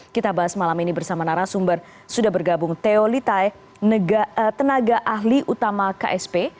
kita bahas malam ini bersama narasumber sudah bergabung theo litai tenaga ahli utama ksp